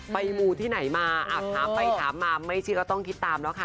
มูที่ไหนมาถามไปถามมาไม่เชื่อก็ต้องคิดตามแล้วค่ะ